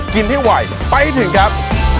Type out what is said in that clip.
กินที่ไหวไปให้ถึงครับ